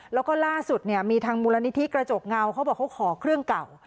แล้วก็ล่าสุดเนี่ยมีทางมูลนิธิกระจกเงาเขาบอกเขาขอเครื่องเก่า